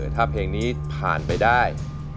ถ้าเพลงนี้ผ่านไปได้